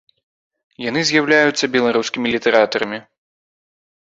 Яны з'яўляюцца беларускімі літаратарамі!